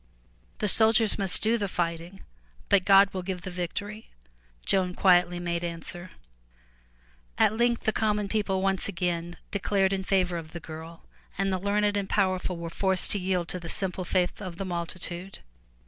"The soldiers must do the fighting, but God will give the victory," Joan quietly made answer. 309 MY BOOK HOUSE At length the common people once again declared in favor of the girl and the learned and powerful were forced to yield to the simple faith of the multitude.